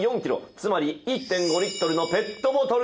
つまり１．５リットルのペットボトルよりも軽い。